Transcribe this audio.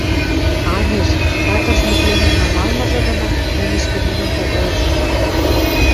Анеш: каторжник лӹмӹм намалмыжы доно мӹнь ӹшкӹмемӹм когоэш ужам вӓк...